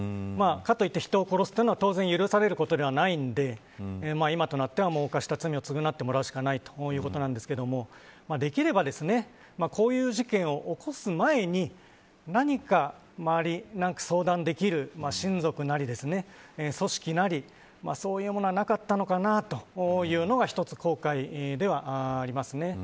かといって人を殺すのは当然許されることではないので今となっては犯した罪を償ってもらうしかないということですができればこういう事件を起こす前に何か周りに、相談できる親族なり組織なり、そういうものがなかったのかなというのが一つ後悔ではありますね。